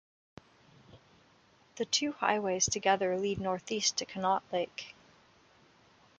The two highways together lead northeast to Conneaut Lake.